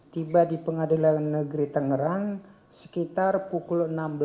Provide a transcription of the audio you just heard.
tiba di pengadilan negeri tangerang sekitar pukul enam belas